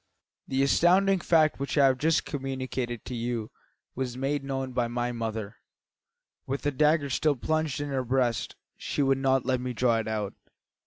"The astounding fact which I have just communicated to you was made known by my mother, with the dagger still plunged in her breast. She would not let me draw it out.